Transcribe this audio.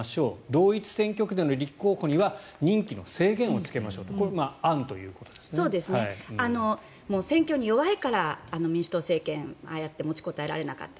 同一選挙区での立候補には任期の制限をつけましょうと選挙に弱いから民主党政権は持ちこたえられなかった。